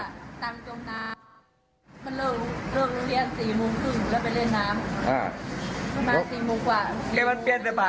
มันเลิกเลื่อนที่มี๔โมงครึ่งแล้วไปเล่นน้ำ